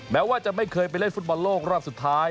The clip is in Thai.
แม้ว่าจะไม่เคยไปเล่นฟุตบอลโลกรอบสุดท้าย